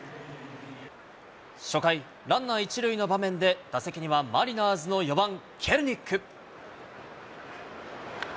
初回、ランナー１塁の場面で打席にはマリナーズの４番・ケリニック。